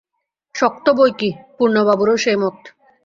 শক্ত বৈকি– পূর্ণবাবুরও সেই মত।